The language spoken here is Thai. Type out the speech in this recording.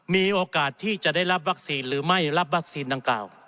มีโอกาสที่จะได้รับวัคซีนหรือไม่รับวัคซีนดังกล่าว